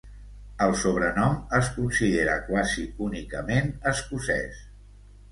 El sobrenom es considera quasi únicament escocès.